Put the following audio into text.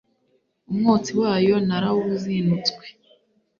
umwotsi wayo narawuzinutswe